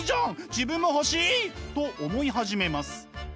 自分も欲しい！」と思い始めます。